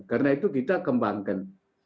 karena itu kita kembangkan